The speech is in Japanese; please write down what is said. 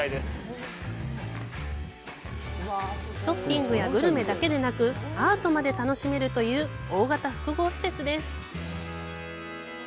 ショッピングやグルメだけでなく、アートまで楽しめるという大型複合施設です。